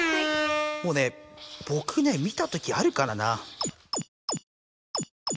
もうねぼくね見たときあるからな。